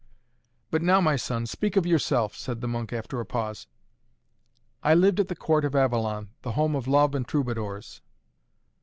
"But now, my son, speak of yourself," said the monk after a pause. "I lived at the court of Avalon, the home of Love and Troubadours."